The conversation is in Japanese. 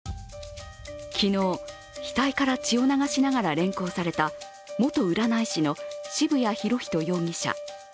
昨日、額から血を流しながら連行された、元占い師の渋谷博仁容疑者。